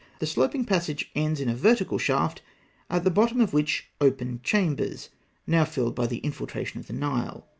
The sloping passage ends in a vertical shaft, at the bottom of which open chambers now filled by the infiltration of the Nile.